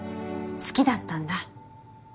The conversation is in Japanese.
好きだったんだ。